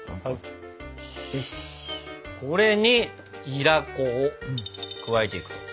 これにいら粉を加えていく。